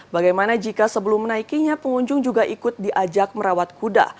bagaimana jika sebelum menaikinya pengunjung juga ikut diajak merawat kuda